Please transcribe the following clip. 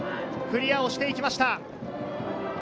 クリアをしていきました。